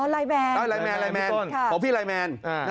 อ๋อไลน์แมนไลน์แมนของพี่ไลน์แมน